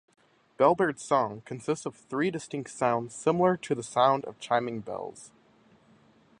Bellbird song consists of three distinct sounds similar to the sound of chiming bells.